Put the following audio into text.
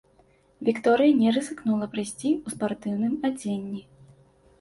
Вікторыя не рызыкнула прыйсці ў спартыўным адзенні.